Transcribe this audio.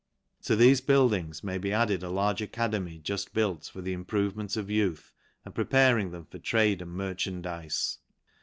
To thefe buildings may be added a large academy juft built for the improvement of youth, and preparing them for trade and merchandize.